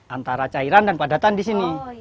antara cairan dan padatan di sini